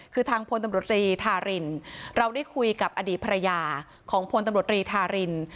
คือทางพลตำรวจตรีธารินเราได้คุยกับอดีตภรรยาของพลตำรวจรีธาริน